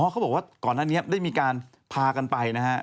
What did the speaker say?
เขาบอกว่าก่อนหน้านี้ได้มีการพากันไปนะฮะ